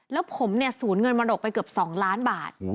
แล้วผมเนี่ยสูญเงินมรดกไปเกือบ๒ล้านบาท